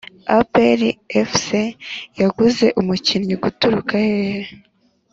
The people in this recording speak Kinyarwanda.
Apr fc yaguze umukinnyi guturuka hehe